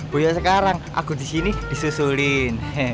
buya sekarang aku di sini disusulin